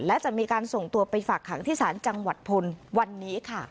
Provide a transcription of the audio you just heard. และจะมีการส่งตัวไปฝากขังที่ศาลจังหวัดพลวันนี้ค่ะ